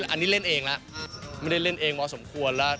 อันนี้เล่นเองแล้วมันได้เล่นเองมากสมควร